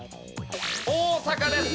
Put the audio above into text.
大阪です。